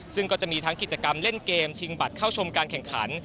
ซึ่งก็จะมีทั้งกิจกรรมเล่นเกมชิงบัตรเข้าชมการแข่งขัน